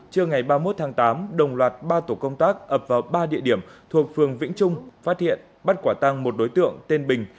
trưa ngày ba mươi một tháng tám đồng loạt ba tổ công tác ập vào ba địa điểm thuộc phường vĩnh trung phát hiện bắt quả tăng một đối tượng tên bình